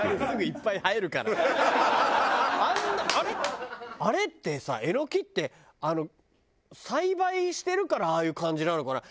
あんなあれあれってさエノキって栽培してるからああいう感じなのかな？